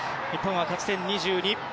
日本は勝ち点２２。